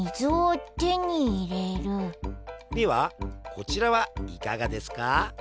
ではこちらはいかがですか？